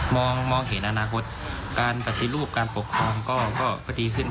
มองเห็นอนาคตการปฏิรูปการปกครองก็ดีขึ้น